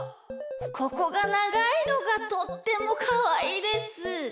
ここがながいのがとってもかわいいです。